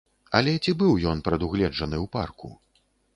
Але ці быў ён прадугледжаны ў парку?